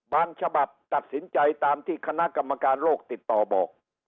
ฉบับตัดสินใจตามที่คณะกรรมการโรคติดต่อบอก